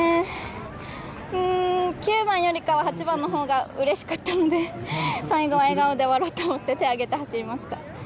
９番よりかは８番のほうがうれしかったので、最後は笑顔で終わろうと思って、手を上げて走りました。